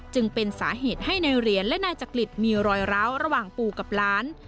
จึงเป็นสาเหตุให้นายเหรียญและนายจักริตมีรอยร้าวระหว่างปู่กับหลาน